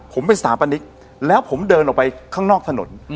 ผมเป็นสถาปนิกแล้วผมเดินออกไปข้างนอกถนน